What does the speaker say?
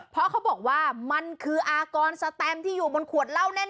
เพราะเขาบอกว่ามันคืออากรสแตมที่อยู่บนขวดเหล้าแน่น